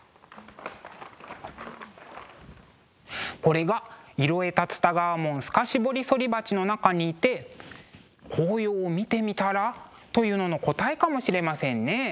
これが「色絵竜田川文透彫反鉢」の中にいて紅葉を見てみたら？というのの答えかもしれませんね。